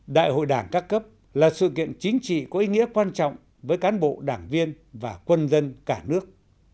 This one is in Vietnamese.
đại hội đảng các cấp là sự kiện chính trị có ý nghĩa quan trọng với cán bộ đảng viên và quân dân cả nước